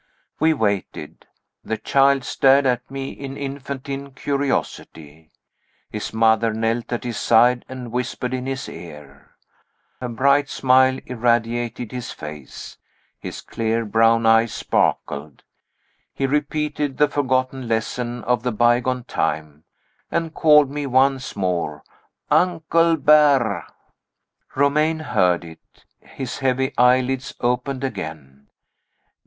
We waited. The child stared at me, in infantine curiosity. His mother knelt at his side, and whispered in his ear. A bright smile irradiated his face; his clear brown eyes sparkled; he repeated the forgotten lesson of the bygone time, and called me once more, "Uncle Ber'." Romayne heard it. His heavy eyelids opened again.